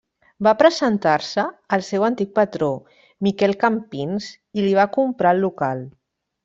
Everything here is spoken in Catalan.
Va presentar-se al seu antic patró, Miquel Campins, i li va comprar el local.